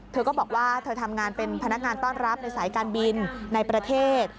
เธอก็บอกว่าเธอทำงานเป็นพนักงานต้อนรับในสายการบินในประเทศ